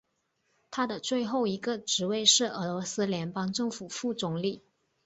他的最后一个职位是俄罗斯联邦政府副总理。